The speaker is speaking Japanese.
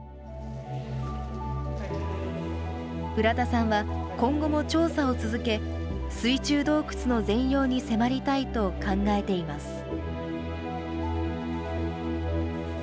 浦田さんは、今後も調査を続け、水中洞窟の全容に迫りたいと考えています。